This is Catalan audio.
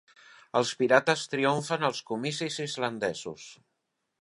Els Pirates triomfen als comicis islandesos